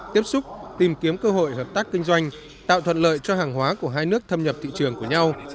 tiếp xúc tìm kiếm cơ hội hợp tác kinh doanh tạo thuận lợi cho hàng hóa của hai nước thâm nhập thị trường của nhau